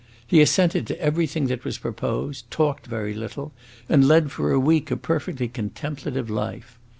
He assented to everything that was proposed, talked very little, and led for a week a perfectly contemplative life.